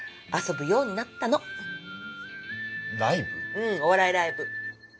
うんお笑いライブ。